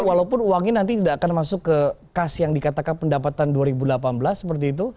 walaupun uangnya nanti tidak akan masuk ke kas yang dikatakan pendapatan dua ribu delapan belas seperti itu